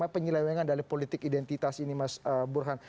penyelewengan dari politik identitas ini mas burhan